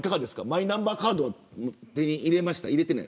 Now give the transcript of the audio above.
マイナンバーカード手に入れましたか。